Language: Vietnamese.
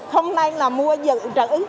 hôm nay là mua dự trữ